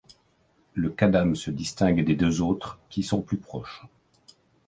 Le kadam se distingue des deux autres, qui sont plus proches.